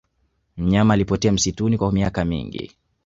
mnyama alipotea msituni kwa miaka mingi